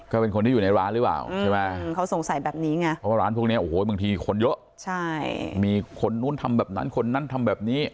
เป็นคนที่อยู่ในร้านหรือเปล่าใช่ไหมเขาสงสัยแบบนี้ไงเพราะว่าร้านพวกนี้โอ้โหบางทีคนเยอะใช่มีคนนู้นทำแบบนั้นคนนั้นทำแบบนี้